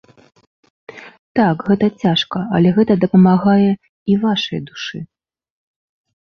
Так, гэта цяжка, але гэта дапамагае і вашай душы.